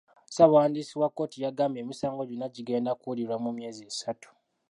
Ssaabawandiisi wa kkooti yagambye emisango gyonna gigenda kuwulirwa mu myezi esatu.